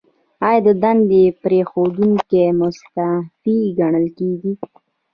ایا د دندې پریښودونکی مستعفي ګڼل کیږي؟